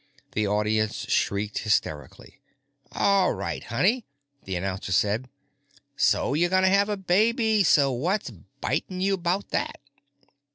The audience shrieked hysterically. "Awright, honey," the announcer said. "So you're gonna have a baby, so what's bitin' you about that?"